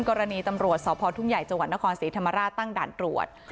กรณีตำรวจสทุ่มใหญ่จนครศรีธรรมราชตั้งดันตรวจ